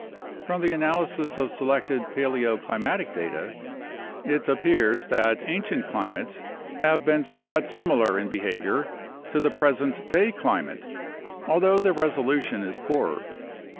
From the analysis of selected paleoclimatic data, it appears that ancient climates have been somewhat similar in behavior to the present day climate, although the resolution is poorer.